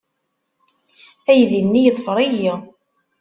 Aydi-nni yeḍfer-iyi.